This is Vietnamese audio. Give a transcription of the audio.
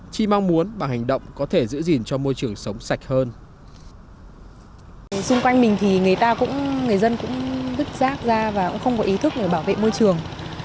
chỉ mong muốn bằng hành động có thể giữ gìn cho môi trường sống sạch hơn